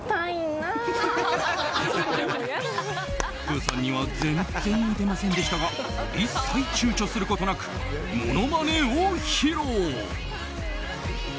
プーさんには全然似てませんでしたが一切躊躇することなくものまねを披露。